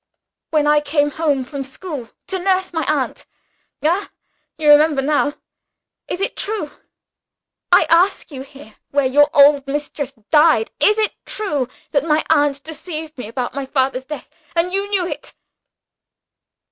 "When I came home from school, to nurse my aunt. Ah, you remember now! Is it true I ask you here, where your old mistress died is it true that my aunt deceived me about my father's death? And that you knew it?"